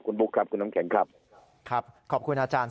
คุณบุ๊คครับคุณน้ำแข็งครับครับขอบคุณอาจารย์